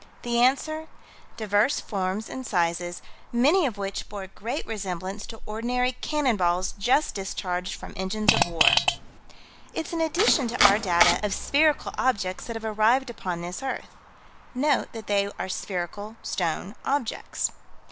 The answer: "... divers forms and sizes, many of which bore great resemblance to ordinary cannon balls just discharged from engines of war." It's an addition to our data of spherical objects that have arrived upon this earth. Note that they are spherical stone objects.